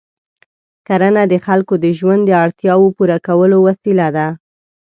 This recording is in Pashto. کرنه د خلکو د ژوند د اړتیاوو پوره کولو وسیله ده.